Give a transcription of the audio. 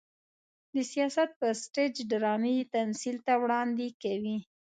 د سياست پر سټېج ډرامايي تمثيل ته وړاندې کوي.